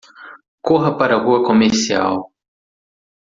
Corra para a rua comercial